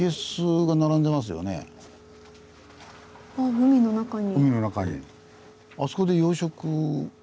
ああ海の中に。